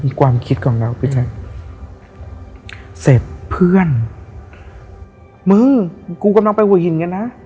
ความคิดของเราพี่แจ๊คเสร็จเพื่อนมึงกูกำลังไปหัวหินกันนะ